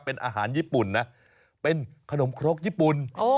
เป็นอาหารญี่ปุ่นนะเป็นขนมครกญี่ปุ่น